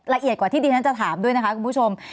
ละเอียดกว่าที่ดิฉันจะถามด้วยนะคะคุณผู้ชม